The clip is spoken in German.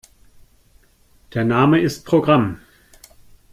Der Name ist Programm.